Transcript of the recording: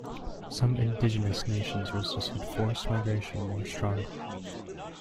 Some indigenous nations resisted forced migration more strongly.